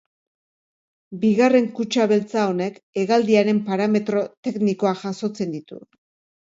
Bigarren kutxa beltza honek hegaldiaren parametro teknikoak jasotzen ditu.